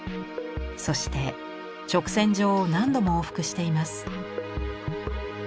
そして直線上を何度も往復しています。